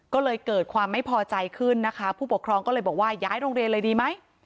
ก็เลยเกิดความไม่พอใจขึ้นนะคะผู้ปกครองก็เลยบอกว่าย้ายโรงเรียนเลยดีไหม